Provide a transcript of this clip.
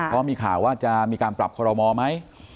ก็มีข่าวว่าจะมีการปรับโครมอล์ไหม